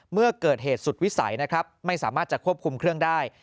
เมื่อเกิดเหตุสุดวิสัยนะครับไม่สามารถจะควบคุมเครื่องได้